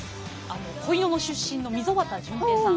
恋野の出身の溝端淳平さん